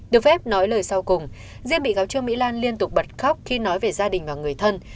được phép nói lời sau cùng riêng bị cáo trương mỹ lan liên tục bật khóc khi nói về gia đình và người thân